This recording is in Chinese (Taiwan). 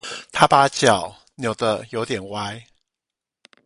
他把腳扭得有點歪